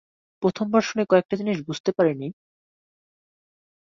প্রথম বার শুনে কয়েকটা জিনিস বুঝতে পারি নি।